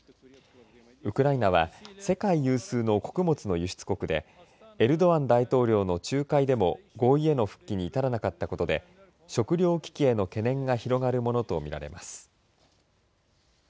ウクライナは世界有数の穀物の輸出国でエルドアン大統領の仲介でも合意への復帰に至らなかったことで食料危機への懸念が広がるものと見られます。